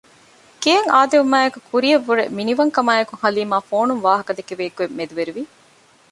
ގެއަށް އާދެވުމާއެކު ކުރިއަށް ވުރެ މިނިވަން ކަމާއެކު ހަލީމައާ ފޯނުން ވާހަކަ ދެކެވޭ ގޮތް މެދުވެރިވި